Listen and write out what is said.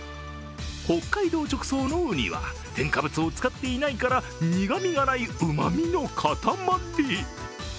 北海道直送の、うには添加物を使っていないから苦みのないうまみのかたまり。